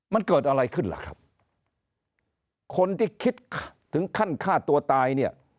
มันเกิดอะไรขึ้นล่ะครับคนที่คิดถึงขั้นฆ่าตัวตายเนี่ย